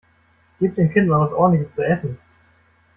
Gib dem Kind mal was Ordentliches zu essen!